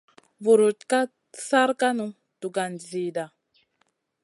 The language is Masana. Vurutn ka sarkanu dugan zida.